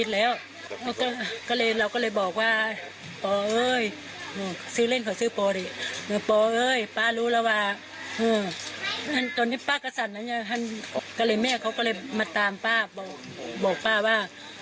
ป้าก็เลยสรุปไปบัตรนี้ว่า๖โมงนะ